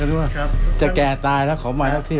ถ้าแต่ว่าจะแก่ตายแล้วขอมาถึงที่อยู่